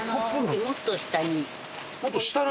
もっと下に。